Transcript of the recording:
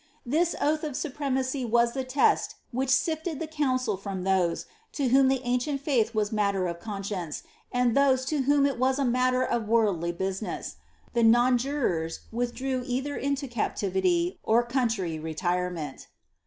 ^'' This oath of supremacy was the lest which sifted the council from those, to whom the ancient faith was matter of conscience, and those to whom it was matter of worldly busi ness : the nonjurors withdrew either into captivity, or country retire ment.